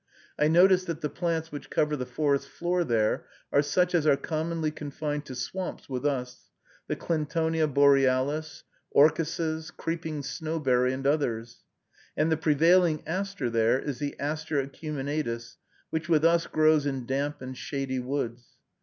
I noticed that the plants which cover the forest floor there are such as are commonly confined to swamps with us, the Clintonia borealis, orchises, creeping snowberry, and others; and the prevailing aster there is the Aster acuminatus, which with us grows in damp and shady woods.